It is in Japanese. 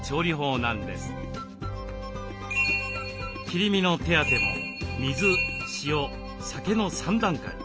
切り身の手当ても水塩酒の３段階。